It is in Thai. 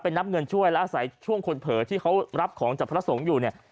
นับเงินช่วยและอาศัยช่วงคนเผลอที่เขารับของจากพระสงฆ์อยู่เนี่ย